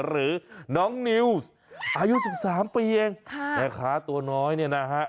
หรือน้องนิวส์อายุ๑๓ปีเองแม่ค้าตัวน้อยเนี่ยนะฮะ